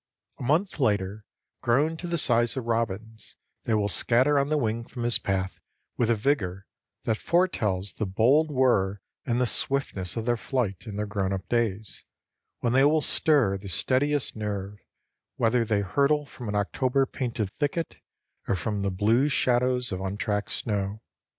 A month later, grown to the size of robins, they will scatter on the wing from his path with a vigor that foretells the bold whir and the swiftness of their flight in their grown up days, when they will stir the steadiest nerve, whether they hurtle from an October painted thicket or from the blue shadows of untracked snow.